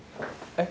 えっ？